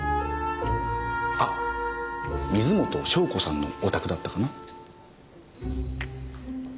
あっ水元湘子さんのお宅だったかな。